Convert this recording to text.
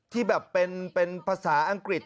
ที่แบบเป็นภาษาอังกฤษ